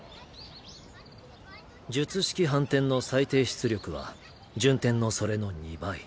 術式反転の最低出力は順転のそれの２倍。